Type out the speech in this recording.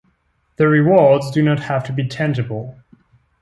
The rewards do not have to be tangible.